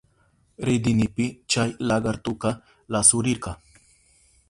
Ridinipi chay lakartuka lasurirka.